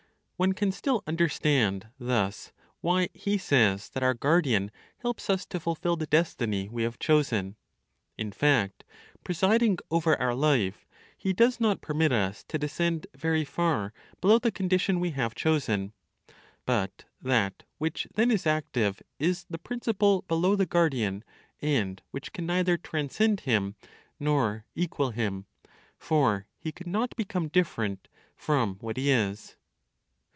One can still understand thus why he says that our guardian helps us to fulfil the destiny we have chosen. In fact, presiding over our life, he does not permit us to descend very far below the condition we have chosen. But that which then is active is the principle below the guardian and which can neither transcend him, nor equal him; for he could not become different from what he is.